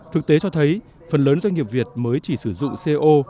thực tế cho thấy phần lớn doanh nghiệp việt mới chỉ sử dụng co